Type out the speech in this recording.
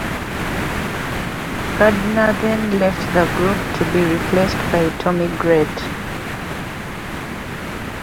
Gardner then left the group to be replaced by Tommy Grate.